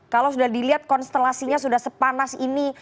kalau sudah dilihat konstelasinya sudah sepanas ini